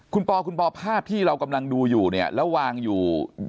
คุณปอคุณปอภาพที่เรากำลังดูอยู่เนี่ยแล้ววางอยู่